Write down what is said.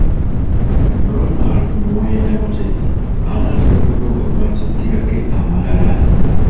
Ronald Muwenda mutebi anaatera okutuuka ku mattikira ge amalala.